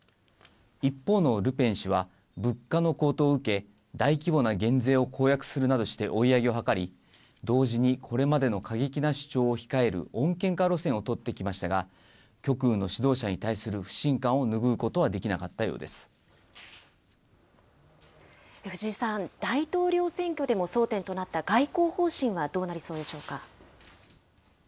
一方のルペン氏は、物価の高騰を受け、大規模な減税を公約するなどして追い上げを図り、同時にこれまでの過激な主張を控える、穏健化路線を取ってきましたが、極右の指導者に対する不信感を拭う藤井さん、大統領選挙でも争点となった、外交方針はどうなりそうでしょうか。